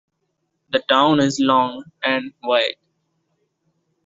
The town is long and wide.